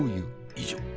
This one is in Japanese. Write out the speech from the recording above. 以上。